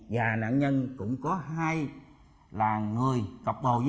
và nạn nhân cũng có hai là người cặp bồ với nhau